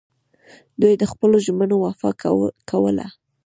دوی د خپلو ژمنو وفا کوله